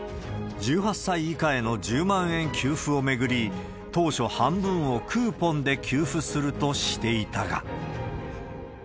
１８歳以下への１０万円給付を巡り、当初、半分をクーポンで給付するとしていたが。